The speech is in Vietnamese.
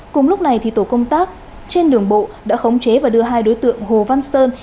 cùng lúc này tổ công tác trên đường bộ đã khống chế và đưa hai đối tượng hồ văn sơn